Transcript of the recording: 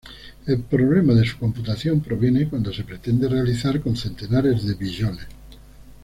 El problema de su computación proviene cuando se pretende realizar con centenares de billones.